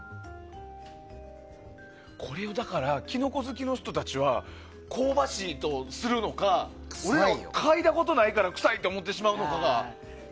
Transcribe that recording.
これをキノコ好きの人たちは香ばしいとするのかかいだことないからくさい思ってしまうのかが。